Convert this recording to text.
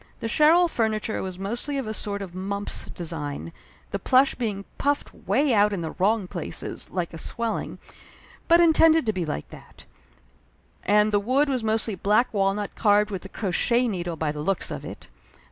The Sherrill fur niture was mostly of a sort of Mumps design, the plush being puffed way out in the wrong place like a swelling, but intended to be like that; and the wood was mostly black walnut carved with a crochet needle, by the looks of it.